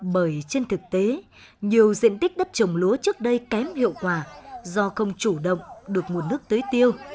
bởi trên thực tế nhiều diện tích đất trồng lúa trước đây kém hiệu quả do không chủ động được nguồn nước tưới tiêu